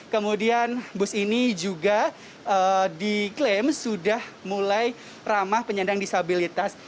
kemudian bus ini juga diklaim sudah mulai ramah penyandang disabilitas